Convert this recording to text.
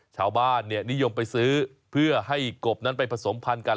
ชาวบ้านนิยมไปซื้อเพื่อให้กบนั้นไปผสมพันธ์กัน